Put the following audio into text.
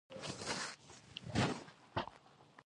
افغانستان کې دریابونه د هنر په اثار کې منعکس کېږي.